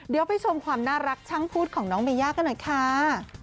เดี๋ยวไปชมความน่ารักช่างพูดของน้องเมย่ากันหน่อยค่ะ